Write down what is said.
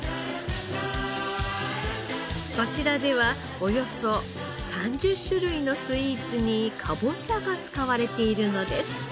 こちらではおよそ３０種類のスイーツにかぼちゃが使われているのです。